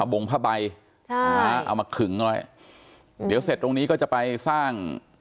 เอาบงผ้าใบใช่เอามาขึงเลยเดี๋ยวเสร็จตรงนี้ก็จะไปสร้าง